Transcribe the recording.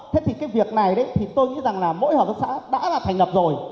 thế thì cái việc này tôi nghĩ rằng mỗi hợp tác xã đã thành lập rồi